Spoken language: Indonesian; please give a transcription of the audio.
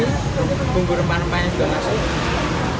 jadi bumbu rempah rempahnya juga enak sih